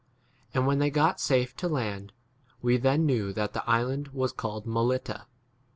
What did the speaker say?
And when they got safe [to land] wey then knew that the 2 island was called Melita.